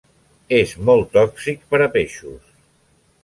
És molt tòxic per a peixos.